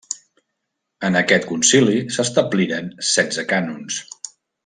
En aquest concili s'establiren setze cànons.